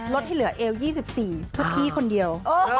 แล้วที่เหลือเอล๒๔ทุกที่คนเดียว